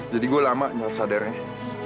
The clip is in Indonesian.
jadi gue lama nyala sadarnya